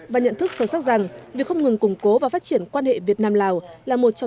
và nhận thức sâu sắc rằng việc không ngừng củng cố và phát triển quan hệ việt nam lào là một trong